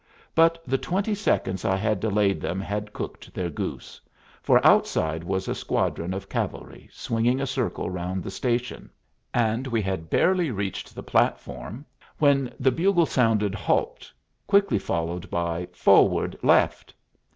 But the twenty seconds I had delayed them had cooked their goose, for outside was a squadron of cavalry swinging a circle round the station; and we had barely reached the platform when the bugle sounded "Halt," quickly followed by "Forward left."